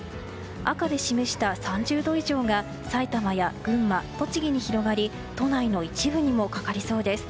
赤で示した３０度以上が埼玉や群馬、栃木に広がり都内の一部にもかかりそうです。